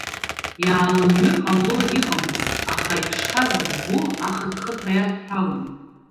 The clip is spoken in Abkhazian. Иаалымҩыр ҟамло иҟамызт, аха иԥшқаз лгәы ахыҭхыҭра иадҳәалан.